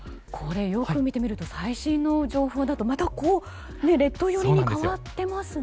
よく見てみると最新の情報だとまた列島寄りに変わってますね。